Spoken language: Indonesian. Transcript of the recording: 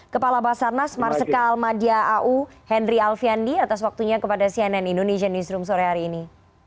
kepala basarnas marsikal madia au henry alfandi atas waktunya kepada cnn indonesia newsroom sore hari ini